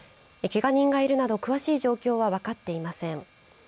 けが人がいるなど詳しい状況は分かっていません。